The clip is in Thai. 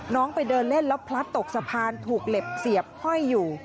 ไปเดินเล่นแล้วพลัดตกสะพานถูกเหล็กเสียบห้อยอยู่